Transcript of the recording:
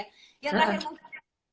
yang terakhir mungkin